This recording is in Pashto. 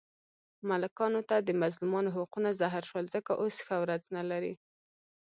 ملکانو ته د مظلومانو حقونه زهر شول، ځکه اوس ښه ورځ نه لري.